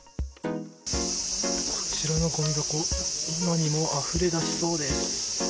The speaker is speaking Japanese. こちらのごみ箱、今にもあふれ出しそうです。